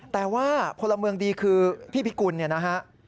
แต่ว่าพลเมืองดีคือพี่พิกุลเนี่ยนะฮะ